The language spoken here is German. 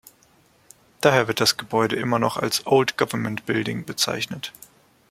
Daher wird das Gebäude immer noch als „Old Government Building“ bezeichnet.